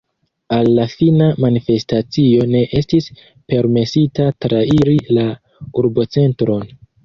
Al la fina manifestacio ne estis permesita trairi la urbocentron.